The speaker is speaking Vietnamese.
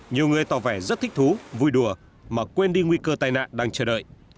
nhiều người tỏ vẻ rất thích thú vui đùa mà quên đi nguy cơ tai nạn đang chờ đợi